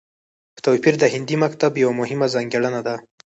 په توپير د هندي مکتب يوه مهمه ځانګړنه ده